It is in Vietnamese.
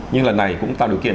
nhưng lần này cũng tạo điều kiện